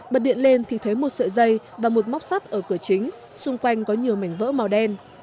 bật điện lên thì thấy một sợi dây và một móc sắt ở cửa chính xung quanh có nhiều mảnh vỡ màu đen